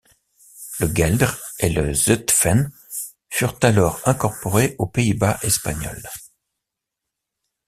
Le Gueldre et le Zutphen furent alors incorporés aux Pays-Bas espagnols.